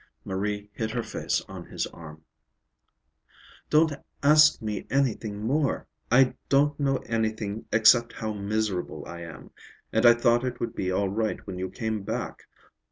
Marie hid her face on his arm. "Don't ask me anything more. I don't know anything except how miserable I am. And I thought it would be all right when you came back.